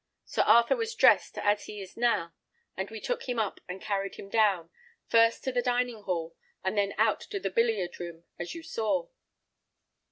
Sir Arthur was dressed as he is now; and we took him up and carried him down, first to the dining hall, and then out to the billiard room, as you saw."